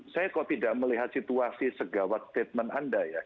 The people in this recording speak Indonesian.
saya kok tidak melihat situasi segawat statement anda ya